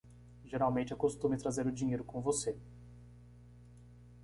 Geralmente é costume trazer o dinheiro com você.